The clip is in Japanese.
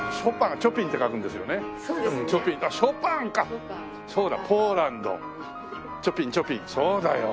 チョピンチョピンそうだよ。